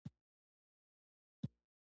د هغه څه قدر وکړئ، چي لرى يې.